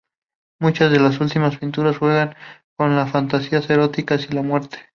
Muchas de sus últimas pinturas juegan con las fantasías eróticas y la muerte.